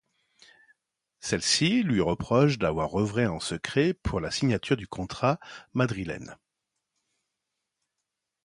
Celle-ci lui reproche d'avoir œuvré en secret pour la signature du contrat madrilène.